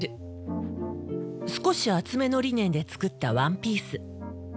少し厚めのリネンで作ったワンピース。